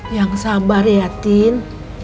yang sabar ya tin